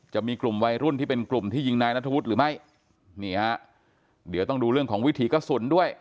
จะมีกลุ่มวัยรุ่นที่เป็นกลุ่มที่ยิงนายนัทวุฒิหรือไม่นี่ฮะเดี๋ยวต้องดูเรื่องของวิถีกระสุนด้วย